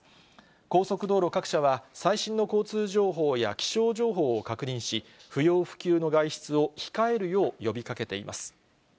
高速道路各社は、最新の交通情報や気象情報を確認し、不要不急の外出を控えるよう呼びかけています。